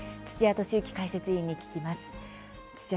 土屋敏之解説委員に聞きます。